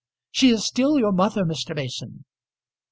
She is still your mother, Mr. Mason."